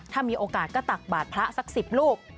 ถ้ามีโอกาสก็ตักบาทพระสัก๑๐ลูก